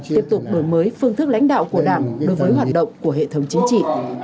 tiếp tục đổi mới phương thức lãnh đạo của đảng đối với hoạt động của hệ thống chính trị